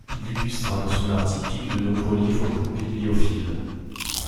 Il illustra de son art typique de nombreux livres pour bibliophiles.